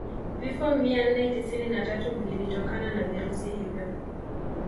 Vifo mia nne tisini na tatu vilitokana na virusi hivyo